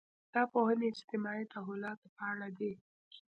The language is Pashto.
دا پوهنې اجتماعي تحولاتو په اړه دي.